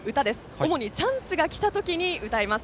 主にチャンスが来た時に歌います。